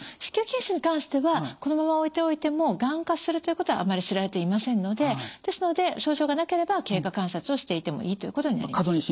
子宮筋腫に関してはこのまま置いておいてもがん化するということはあまり知られていませんのでですので症状がなければ経過観察をしていてもいいということになります。